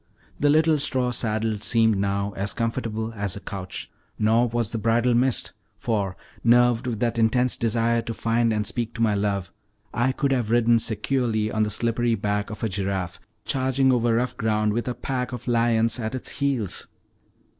The little straw saddle seemed now as comfortable as a couch, nor was the bridle missed; for, nerved with that intense desire to find and speak to my love, I could have ridden securely on the slippery back of a giraffe, charging over rough ground with a pack of lions at its heels.